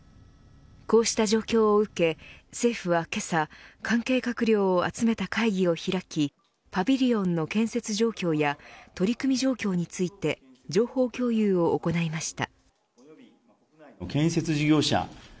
こうした状況を受け、政府はけさ関係閣僚を集めた会議を開きパビリオンの建設状況や取り組み状況について情報共有を行いました。